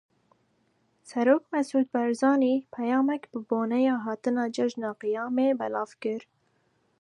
Serok Mesûd Barzanî peyamek bi boneya hatina cejna Qiyamê belav kir.